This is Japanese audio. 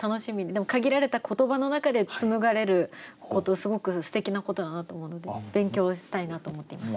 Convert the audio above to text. でも限られた言葉の中で紡がれることすごくすてきなことだなと思うので勉強したいなと思っています。